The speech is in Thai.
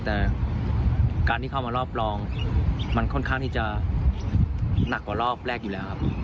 แต่การที่เข้ามารอบรองมันค่อนข้างที่จะหนักกว่ารอบแรกอยู่แล้วครับ